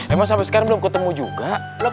emang sampai sekarang belum ketemu juga